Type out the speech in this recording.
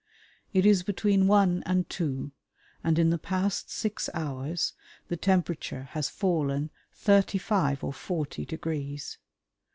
It is between one and two, and in the past six hours the temperature has fallen thirty five or forty degrees.